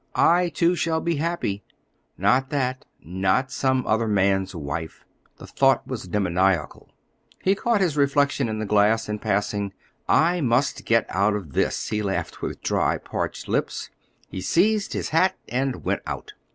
"I too shall be happy." Not that, not some other man's wife, the thought was demoniacal. He caught his reflection in the glass in passing. "I must get out of this," he laughed with dry, parched lips. He seized his hat and went out.